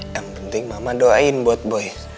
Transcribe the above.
yang penting mama doain buat boy